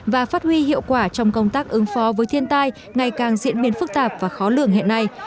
và phát huy hiệu quả trong công tác ứng phó với thiên tai ngày càng diễn biến phức tạp và khó lường hiện nay